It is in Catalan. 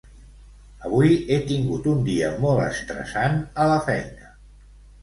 Avui he tingut un dia molt estressant a la feina.